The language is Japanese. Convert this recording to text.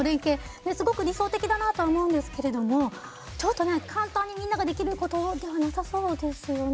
すごく理想的だなとは思うんですけれどもちょっとね簡単にみんなができることではなさそうですよね。